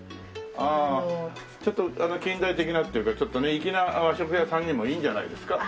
ああちょっと近代的なっていうか粋な和食屋さんにもいいんじゃないですか？